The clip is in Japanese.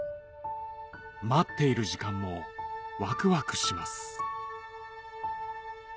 待っている時間もワクワクします